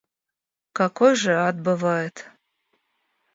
Какой же ад бывает